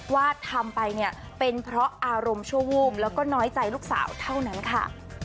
ว่าทำไปเนี่ยเป็นเพราะอารมณ์ชั่ววูบแล้วก็น้อยใจลูกสาวเท่านั้นค่ะ